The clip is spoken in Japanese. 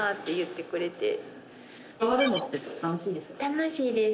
楽しいです。